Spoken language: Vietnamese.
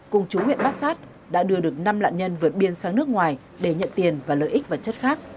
cùng chú huyện bát sát đã đưa được năm nạn nhân vượt biên sang nước ngoài để nhận tiền và lợi ích và chất khác